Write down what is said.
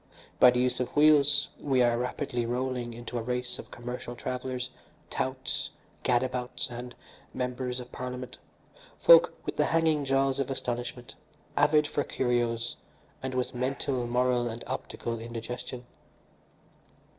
By the use of wheels we are rapidly rolling into a race of commercial travellers, touts, gad abouts, and members of parliament, folk with the hanging jaws of astonishment, avid for curios, and with mental, moral and optical indigestion.